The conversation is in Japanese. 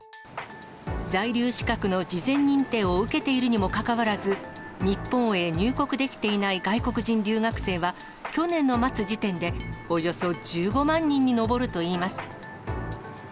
在留資格の事前認定を受けているにもかかわらず、日本へ入国できていない外国人留学生は、去年の末時点で、およそ１５万人に上るといいます。